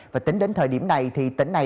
và tính đến thời điểm này thì tỉnh này